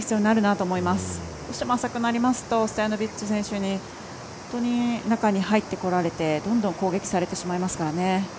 どうしても浅くなりますとストヤノビッチ選手に中に入ってこられてどんどん攻撃されてしまいますから。